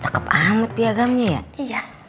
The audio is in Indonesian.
cakep amat piagamnya ya